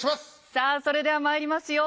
さあそれではまいりますよ。